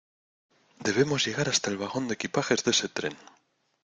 ¡ Debemos llegar hasta el vagón de equipajes de ese tren!